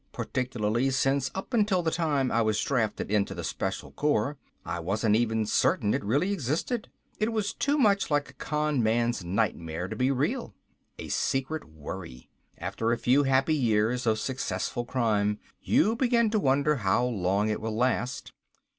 Particularly since up until the time I was drafted into the Special Corps I wasn't even certain it really existed. It was too much like a con man's nightmare to be real. A secret worry. After a few happy years of successful crime you begin to wonder how long it will last.